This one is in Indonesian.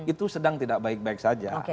itu sedang tidak baik baik saja